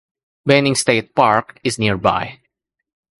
Banning State Park is nearby.